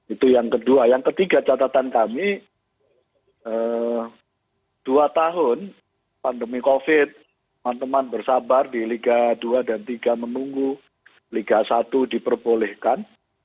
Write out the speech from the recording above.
itu yang kedua yang ketiga catatan kami dua tahun pandemi covid teman teman bersabar di liga dua dan tiga menunggu liga satu diperbolehkan